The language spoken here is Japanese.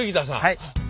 はい。